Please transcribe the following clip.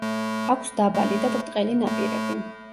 აქვს დაბალი და ბრტყელი ნაპირები.